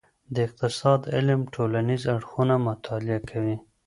د اقتصاد علم ټولنیز اړخونه مطالعه کوي.